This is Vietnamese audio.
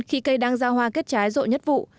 khi cây đang ra hoa kết trái rộ nhất vụ